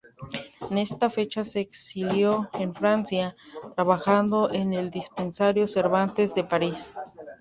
En esta fecha se exilió en Francia, trabajando en el Dispensario Cervantes de París.